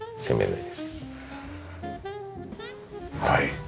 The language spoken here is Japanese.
はい。